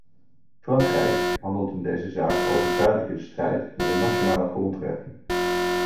Frankrijk handelt in deze zaak overduidelijk in strijd met de nationale grondrechten.